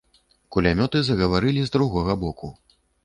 Кулямёты загаварылі з другога боку.